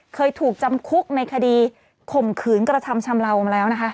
เคยถูกจำคุกในคดีข่มขืนกระทำชำเลามาแล้วนะคะ